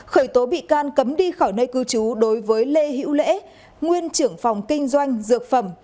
khởi tố bị can cấm đi khỏi nơi cư trú đối với lê hữu lễ nguyên trưởng phòng kinh doanh dược phẩm